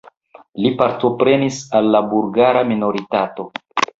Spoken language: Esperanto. Li apartenis al la bulgara minoritato.